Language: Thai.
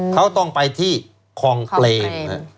เขาต้องไปที่คลองเปรม